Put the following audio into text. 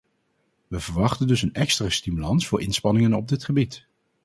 We verwachten dus een extra stimulans voor inspanningen op dit gebied.